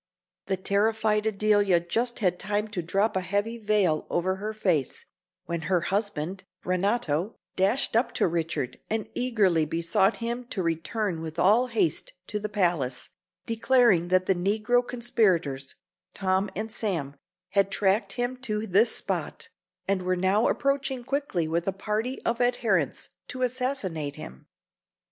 The terrified Adelia just had time to drop a heavy veil over her face, when her husband, Renato, dashed up to Richard and eagerly besought him to return with all haste to the palace, declaring that the negro conspirators, Tom and Sam, had tracked him to this spot, and were now approaching quickly with a party of adherents to assassinate him.